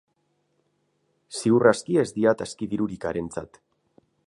Ziur aski ez diat aski dirurik harentzat.